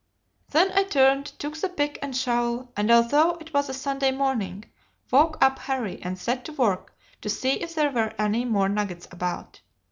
Then I turned, took the pick and shovel, and although it was a Sunday morning, woke up Harry and set to work to see if there were any more nuggets about.